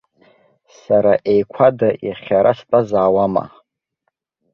Сара еиқәада иахьа ара стәазаауама?!